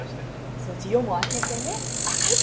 そのうち夜も明けてね明るくなったってね。